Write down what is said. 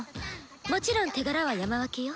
もちろん手柄は山分けよ。